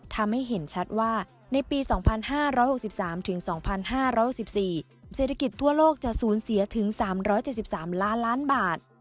ทำให้เห็นชัดว่าในปี๒๕๖๓๒๕๖๔เศรษฐกิจทั่วโลกจะสูญเสียถึง๓๗๓ล้านล้านบาท